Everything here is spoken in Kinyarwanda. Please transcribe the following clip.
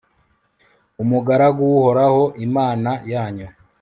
umugaragu w'uhoraho, imana yanyu